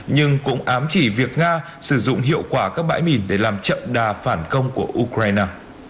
nhưng cũng ám chỉ việc nga sử dụng hiệu quả các bãi mìn để làm chậm đà phản công của ukraine